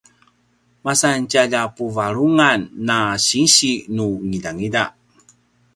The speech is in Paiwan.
a masan tjalja puvarungan a sinsi nu ngidangida